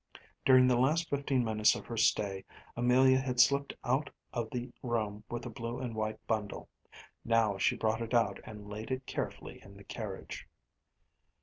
During the last fifteen minutes of her stay Amelia had slipped out of the room with the blue and white bundle. Now she brought it out and laid it carefully in the carriage.